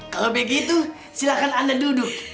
kalau begitu silahkan anda duduk